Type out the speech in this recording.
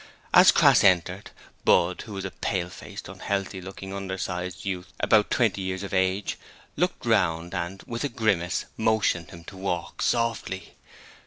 As Crass entered, Budd who was a pale faced, unhealthy looking, undersized youth about twenty years of age looked round and, with a grimace, motioned him to walk softly.